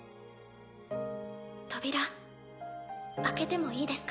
扉開けてもいいですか？